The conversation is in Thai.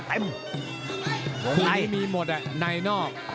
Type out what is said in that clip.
พวกนี้มีหมดในนอก